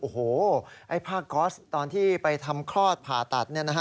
โอ้โฮพ่อก๊อตตอนที่ไปทำคลอดผ่าตัด